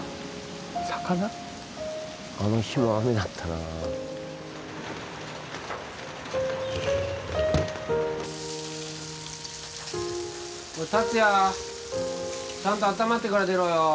あの日も雨だったなあおい達哉ちゃんと温まってから出ろよ